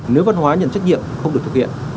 nếu văn hóa nhận trách nhiệm